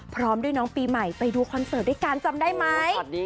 พร้อมด้วยน้องปีใหม่ไปดูคอนเสิร์ตด้วยกันจำได้ไหม